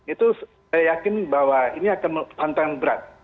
itu saya yakin bahwa ini akan tantangan berat